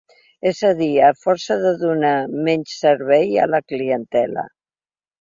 És a dir, a força de donar menys servei a la clientela.